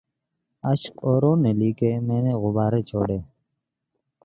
اشک اوروں نے لکھے مَیں نے غبارے چھوڑے